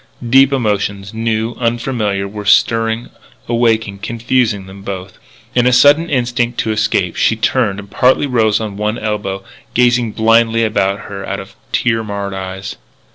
Deep emotions, new, unfamiliar, were stirring, awaking, confusing them both. In a sudden instinct to escape, she turned and partly rose on one elbow, gazing blindly about her out of tear marred eyes.